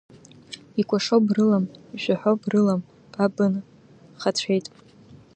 Икәашо брылам, ишәаҳәо брылам, ба бынхацәеит…